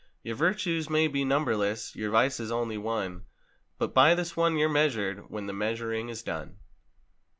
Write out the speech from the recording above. Your virtues may be numberless—^your vices only one— But by this one you're measured, when the meas¬ uring is done.